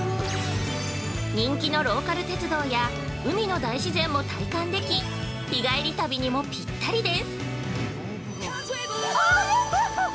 人気のローカル鉄道や海の大自然も体感でき日帰り旅にもピッタリです。